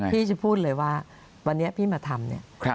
พี่จะพูดเลยว่าวันนี้พี่มาทำเนี่ย